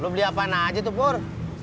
lo beli apaan aja tuh pur